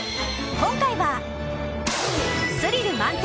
今回は、スリル満点！